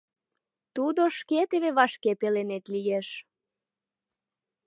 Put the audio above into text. — Тудо шке теве вашке пеленет лиеш.